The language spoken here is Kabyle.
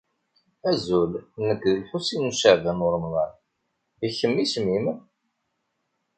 Azul. Nekk d Lḥusin n Caɛban u Ṛemḍan. I kemm isem-im?